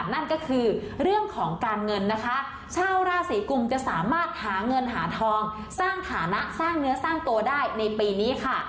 นั่นก็คือเรื่องของการเงินนะคะชาวราศีกุมจะสามารถหาเงินหาทองสร้างฐานะสร้างเนื้อสร้างตัวได้ในปีนี้ค่ะ